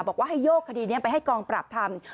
บอกว่าให้โยกคดีนี้ไปให้กองปราบทำ